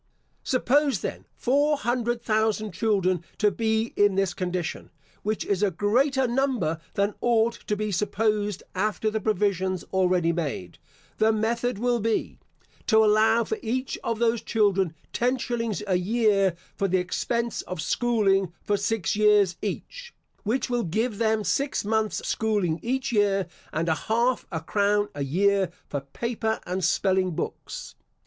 Suppose, then, four hundred thousand children to be in this condition, which is a greater number than ought to be supposed after the provisions already made, the method will be: To allow for each of those children ten shillings a year for the expense of schooling for six years each, which will give them six months schooling each year, and half a crown a year for paper and spelling books.